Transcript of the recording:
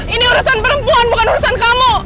ini urusan perempuan bukan urusan kamu